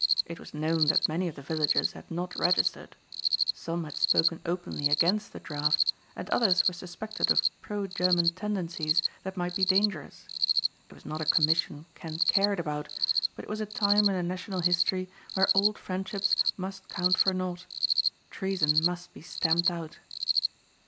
It was known that many of the villagers had not registered. Some had spoken openly against the draft and others were suspected of pro German tendencies that might be dangerous. It was not a commission Kent cared about, but it was a time in the national history where old friendships must count for naught. Treason must be stamped out.